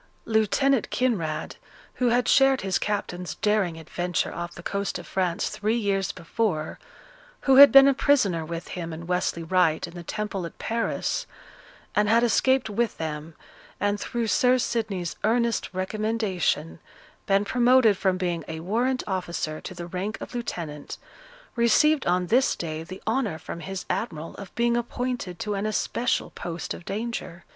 Lieutenant Kinraid, who had shared his captain's daring adventure off the coast of France three years before, who had been a prisoner with him and Westley Wright, in the Temple at Paris, and had escaped with them, and, through Sir Sidney's earnest recommendation, been promoted from being a warrant officer to the rank of lieutenant, received on this day the honour from his admiral of being appointed to an especial post of danger.